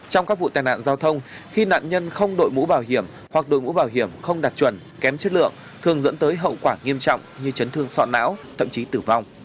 trong các vụ tai nạn giao thông khi nạn nhân không đội mũ bảo hiểm hoặc đội mũ bảo hiểm không đạt chuẩn kém chất lượng thường dẫn tới hậu quả nghiêm trọng như chấn thương sọn não thậm chí tử vong